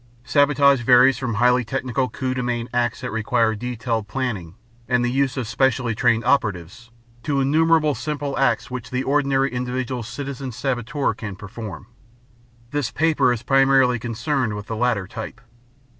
Sabotage varies from highly technical coup de main acts that require detailed planning and the use of specially trained operatives, to innumerable simple acts which the ordinary individual citizen saboteur can perform. This paper is primarily concerned with the latter type.